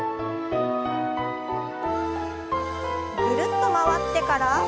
ぐるっと回ってから。